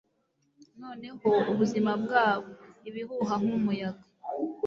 noneho ubuzima bwabo, ibuhuha nk'umuyaga